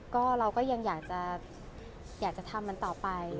ก็เราก็ยังอยากจะทำมันต่อไป